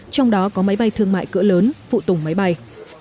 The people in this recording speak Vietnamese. trong đó có máy bay thương mại cỡ lớn phụ tùng máy bay